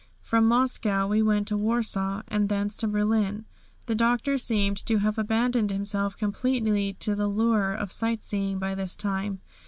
From Moscow we went to Warsaw, and thence to Berlin. The Doctor seemed to have abandoned himself completely to the lure of sightseeing by this time.